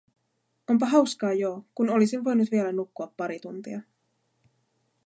Onpa hauskaa joo, kun olisin voinut vielä nukkua pari tuntia.